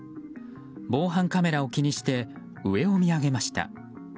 防犯カメラを気にして上を見上げました。